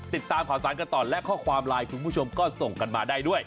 ติดตามข่าวสารกันต่อและข้อความไลน์คุณผู้ชมก็ส่งกันมาได้ด้วย